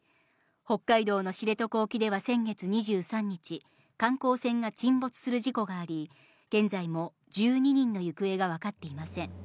北海道の知床沖では先月２３日、観光船が沈没する事故があり、現在も１２人の行方が分かっていません。